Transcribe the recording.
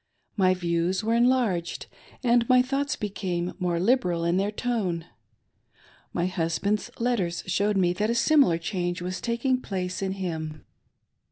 My views were enlarged and my thoughts became more liberal in their tone. My husband's letters showed me that a similar change was taking place in him.